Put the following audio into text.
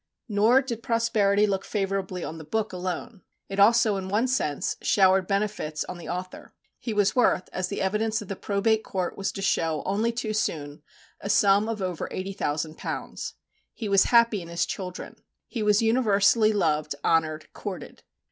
Nor did prosperity look favourably on the book alone. It also, in one sense, showered benefits on the author. He was worth, as the evidence of the Probate Court was to show only too soon, a sum of over £80,000. He was happy in his children. He was universally loved, honoured, courted.